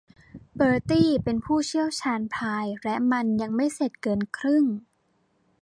เบอร์ตี้เป็นผู้เชี่ยวชาญพายและมันยังไม่เสร็จเกินครึ่ง